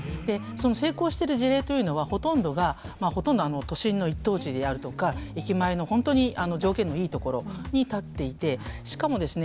成功してる事例というのはほとんどが都心の一等地であるとか駅前の本当に条件のいいところに建っていてしかもですね